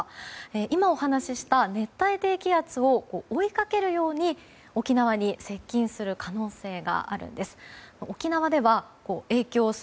今、お話しした熱帯低気圧を追いかけるように沖縄に接近する可能性があるんです。